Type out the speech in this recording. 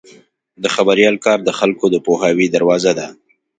د خبریال کار د خلکو د پوهاوي دروازه ده.